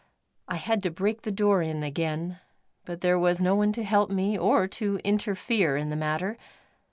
I had to break the door in again, but there was no one to help me or to interfere in the matter.